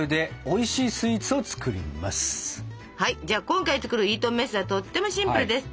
今回作るイートンメスはとってもシンプルです。